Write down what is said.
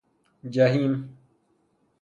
جحیم